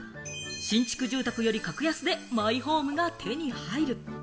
新築住宅より格安でマイホームが手に入る。